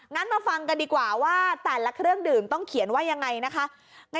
มาฟังกันดีกว่าว่าแต่ละเครื่องดื่มต้องเขียนว่ายังไงนะคะ